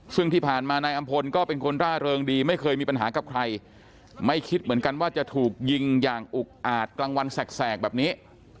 ซึ่งที่ผ่านมานายอำพลก็เป็นคนร่าเริงดีไม่เคยมีปัญหากับใครไม่คิดเหมือนกันว่าจะถูกยิงอย่างอุกอาจกลางวันแสกแบบนี้